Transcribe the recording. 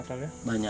banyak sekali banyak